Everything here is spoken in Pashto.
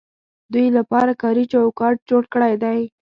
دوی لپاره کاري چوکاټ جوړ کړی دی.